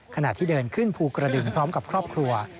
ขณะที่เดินขึ้นภูกระดึงพร้อมกับครอบครัว